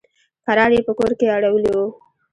کرار يې په کور کښې اړولي وو.